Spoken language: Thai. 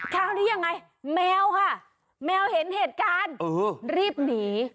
คราวนี้ยังไงแมวค่ะแมวเห็นเหตุการณ์รีบหนี